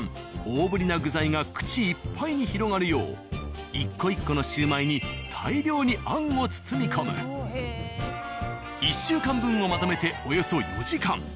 大ぶりな具材が口いっぱいに広がるよう一個一個のシュウマイに１週間分をまとめておよそ４時間。